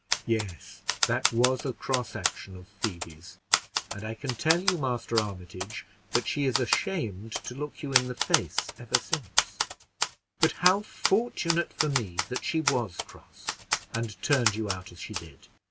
"Yes, that was a cross action of Phoebe's; and I can tell you, Master Armitage, that she is ashamed to look you in the face ever since; but how fortunate for me that she was cross, and turned you out as she did!